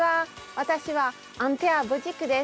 私はアンテア・ヴォジクです。